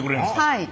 はい。